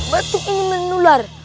batuk ini menular